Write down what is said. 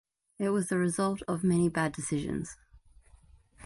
It was the result of many bad decisions.